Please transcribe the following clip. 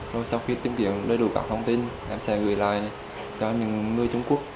rồi sau khi tìm kiếm đầy đủ các thông tin em sẽ gửi lại cho những người trung quốc